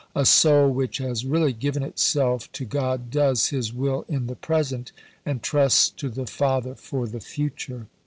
A soul which has really given itself to God does His will in the present, and trusts to the Father for the future.